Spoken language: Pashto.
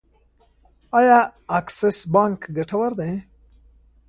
آیا اکسس بانک ګټور دی؟